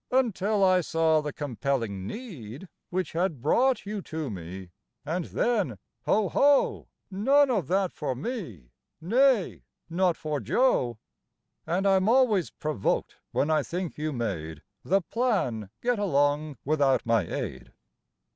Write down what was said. Until I saw the compelling need Which had brought you to me, and then, "Ho! ho! None of that for me, nay, not for Joe." And I'm always provoked when I think you made The plan get along without my aid.